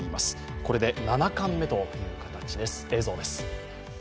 これで７冠目という形です。